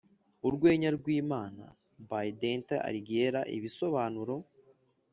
"urwenya rw'imana" by dante alighieri (ibisobanuro)